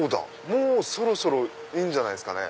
もうそろそろいいんじゃないですかね。